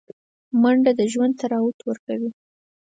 منډه د ژوند طراوت ورکوي